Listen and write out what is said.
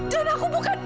dan aku bukan